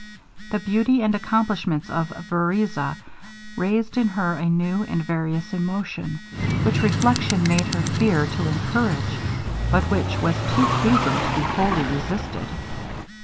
The beauty and accomplishments of Vereza raised in her a new and various emotion, which reflection made her fear to encourage, but which was too pleasing to be wholly resisted.